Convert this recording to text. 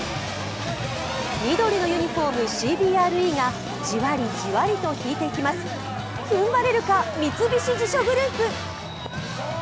緑のユニフォーム、ＣＢＲＥがじわりじわりと引いていきます、踏ん張れるか三菱地所グループ。